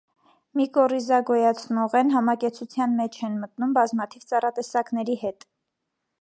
Միկոռիզագոյացնող են, համակեցության մեջ են մտնում բազմաթիվ ծառատեսակների հետ։